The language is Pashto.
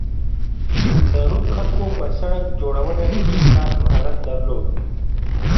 د روم خلکو په سړک جوړونه کې خاص مهارت درلود